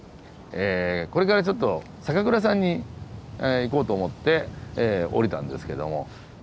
これからちょっと酒蔵さんに行こうと思って降りたんですけども。